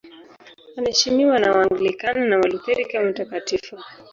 Anaheshimiwa na Waanglikana na Walutheri kama mtakatifu.